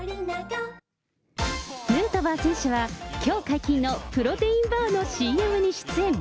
ヌートバー選手は、きょう解禁のプロテインバーのＣＭに出演。